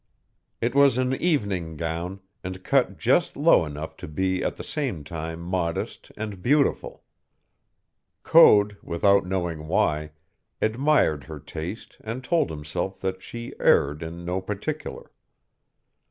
It was an evening gown, and cut just low enough to be at the same time modest and beautiful. Code, without knowing why, admired her taste and told himself that she erred in no particular.